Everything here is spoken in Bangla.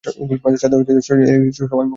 ইলিশ মাছের স্বাদে সবাই মুগ্ধ।